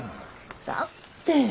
だって。